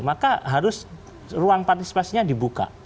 maka harus ruang partisipasinya dibuka